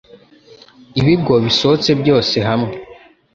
Ibigo bisohotse byose hamwe